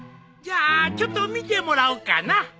じゃあちょっと見てもらおうかな。